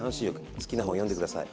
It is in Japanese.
好きな本読んで下さい。